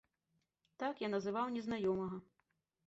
Так я называў незнаёмага.